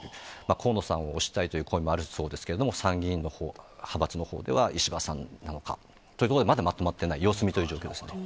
河野さんを推したいという声もあるそうですけれども、参議院の派閥のほうでは石破さんなのか、というところで、まだまとまってない、様子見という状況です。